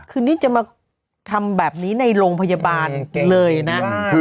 คือนี่จะมาทำแบบนี้ในโรงพยาบาลเลยนะ